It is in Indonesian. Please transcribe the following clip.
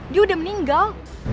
dia udah meninggal